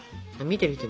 見てる人